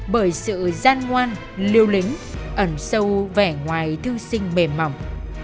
bởi sự gian ngoan liều lĩnh ẩn sâu vẻ ngoài thương sinh mềm mỏng